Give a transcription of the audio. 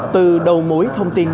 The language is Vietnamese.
từ đầu mối thông tin